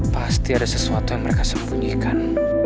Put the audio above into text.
pasti ada sesuatu yang mereka sembunyikan